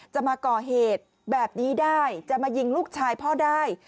จะมาก่อเหตุแบบนี้ได้จะมายิงลูกชายพ่อได้